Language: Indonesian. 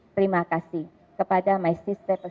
terima kasih kepada maistis saya persyarakan